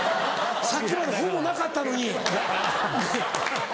さっきまでほぼなかったのに。